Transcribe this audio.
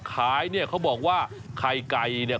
ขายเนี่ยเขาบอกว่าไข่ไก่เนี่ย